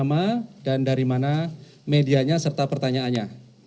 nama dan dari mana medianya serta pertanyaannya